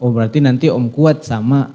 oh berarti nanti om kuat sama